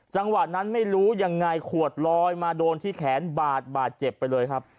จังหวะนั้นไม่รู้ยังไงขวดลอยมาโดนที่แขนบาดบาดเจ็บไปเลยครับ